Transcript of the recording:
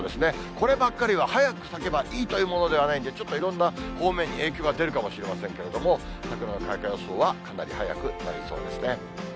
こればっかりは早く咲けばいいというものではないんで、ちょっといろんな方面に影響が出るかもしれませんけれども、桜の開花予想はかなり早くなりそうですね。